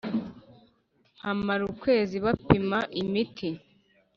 Mpamara ukwezi bakimpa imiti